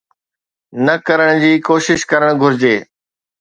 نه ڪرڻ جي ڪوشش ڪرڻ گهرجي.